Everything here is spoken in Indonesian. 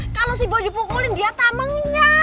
kalo si boy dipukulin dia tamengnya